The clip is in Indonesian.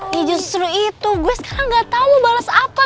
nih justru itu gue sekarang gak tau mau bales apa